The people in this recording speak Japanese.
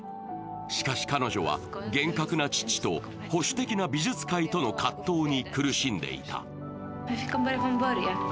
しかし、彼女は厳格な父と保守的な美術界との葛藤に苦しんでいた。